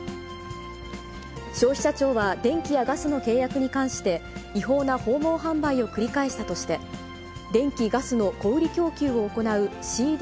消費者庁は電気やガスの契約に関して、違法な訪問販売を繰り返したとして、電気・ガスの小売り供給を行うＣＤ